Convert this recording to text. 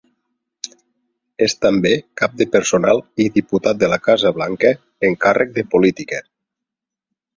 És també cap de personal i diputat de la Casa Blanca en càrrec de política.